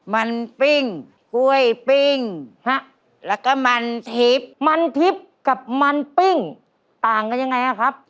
มันปิ้งกล้วยปิ้งฮะแล้วก็มันทิพย์มันทิพย์กับมันปิ้งต่างกันยังไงครับ